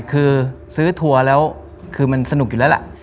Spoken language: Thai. คือซื้อทัวร์แล้วคือมันสนุกอยู่แล้วล่ะ